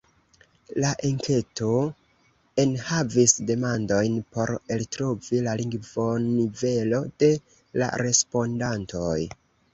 La enketo enhavis demandojn por eltrovi la lingvonivelon de la respondantoj.